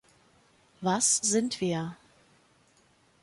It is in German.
Was sind wir?